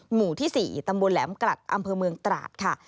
หมู่ที่๔ตำบลแหลมกลัดอำเภอเมืองตราดค่ะ